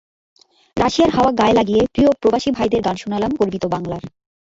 রাশিয়ার হাওয়া গায়ে লাগিয়ে প্রিয় প্রবাসী ভাইদের গান শোনালাম গর্বিত বাংলার।